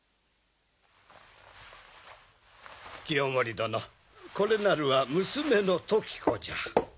清盛殿これなるは娘の時子じゃ。